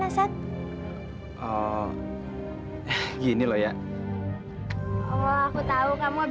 kakak ingin tem queremos